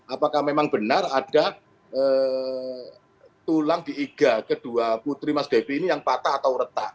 apakah memang benar ada tulang di iga kedua putri mas devi ini yang patah atau retak